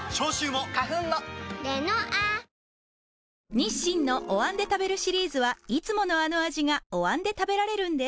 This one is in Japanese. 日清のお椀で食べるシリーズはいつものあの味がお椀で食べられるんです